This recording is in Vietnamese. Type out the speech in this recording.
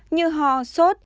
như ho sốt